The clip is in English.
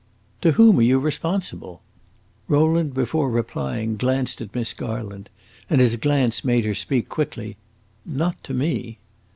"To whom are you responsible?" Rowland, before replying, glanced at Miss Garland, and his glance made her speak quickly. "Not to me!"